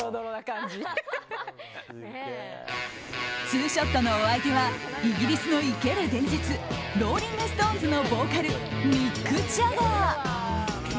ツーショットのお相手はイギリスの生ける伝説ローリング・ストーンズのボーカル、ミック・ジャガー。